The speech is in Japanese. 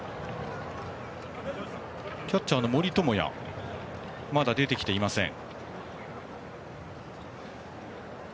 キャッチャーの森友哉がまだ出てきていません。